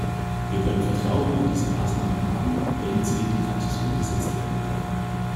Wir können Vertrauen in diese Maßnahmen haben, wenn sie in die Praxis umgesetzt werden.